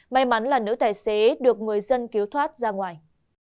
may mắn là nữ tài xế được người dân cứu thoát ra ngoài